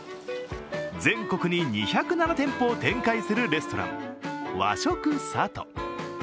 全国に２０７店舗を展開するレストラン・和食さと。